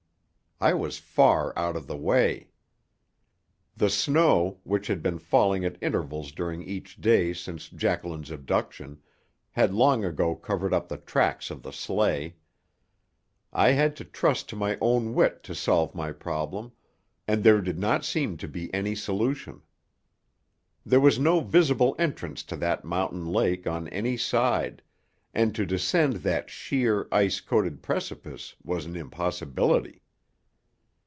I was far out of the way. The snow, which had been falling at intervals during each day since Jacqueline's abduction, had long ago covered up the tracks of the sleigh. I had to trust to my own wit to solve my problem, and there did not seem to be any solution. There was no visible entrance to that mountain lake on any side, and to descend that sheer, ice coated precipice was an impossibility.